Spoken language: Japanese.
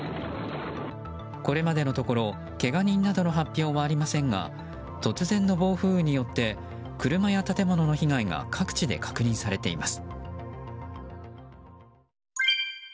これまでのところけが人などの発表はありませんが突然の暴風雨によって車や建物の被害が各地で確認されています。